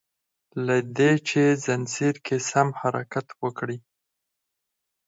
له دي چي ځنځير کی سم حرکت وکړي